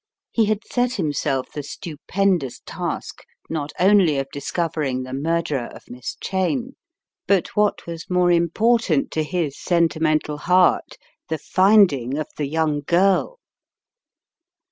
He had set himself the stupendous task not only of discovering the murderer of Miss Cheyne, but what was more important to his sentimental heart, the finding of the young girl.